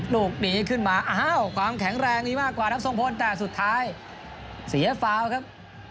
ลูกหนีขึ้นมาอ้าวความแข็งแรงมีมากกว่าครับทรงพลแต่สุดท้ายเสียฟาวครับ